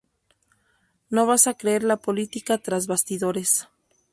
No vas a creer la política tras bastidores.